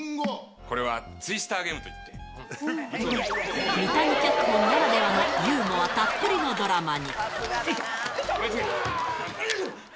これはツイスターゲームとい三谷脚本ならではのユーモアたっぷりのドラマに。